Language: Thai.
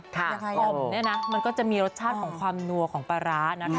อย่างกลมเนี่ยนะมันก็จะมีรสชาติของความนัวของปลาร้านะคะ